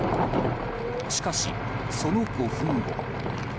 しかし、その５分後。